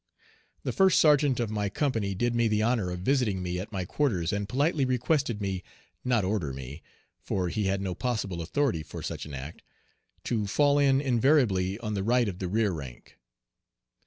The first sergeant of my company did me the honor of visiting me at my quarters and politely requested me not order me, for he had no possible authority for such an act to fall in invariably on the right of the rear rank.